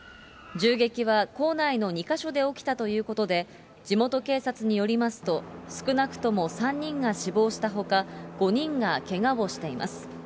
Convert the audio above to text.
銃撃は校内の２か所で起きたということで、地元警察によりますと、少なくとも３人が死亡したほか、５人がけがをしています。